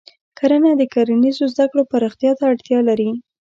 کرنه د کرنیزو زده کړو پراختیا ته اړتیا لري.